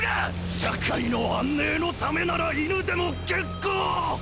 社会の安寧のためなら犬でも結構！